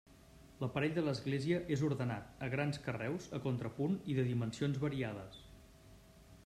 L'aparell de l'església és ordenat, a grans carreus a contrapunt i de dimensions variades.